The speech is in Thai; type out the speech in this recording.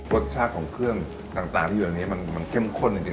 รสชาติของเครื่องต่างที่อยู่ในนี้มันเข้มข้นจริง